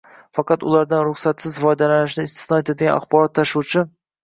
faqat ulardan ruxsatsiz foydalanishni istisno etadigan axborot tashuvchi